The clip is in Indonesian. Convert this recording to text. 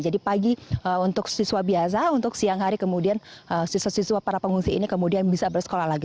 pagi untuk siswa biasa untuk siang hari kemudian siswa siswa para pengungsi ini kemudian bisa bersekolah lagi